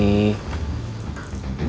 jangan kelamaan ya lo